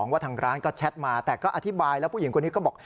ว่าทางร้านก็แชทมาแต่ก็อธิบายแล้วผู้หญิงคนนี้ก็บอก